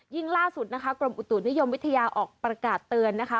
ล่าสุดนะคะกรมอุตุนิยมวิทยาออกประกาศเตือนนะคะ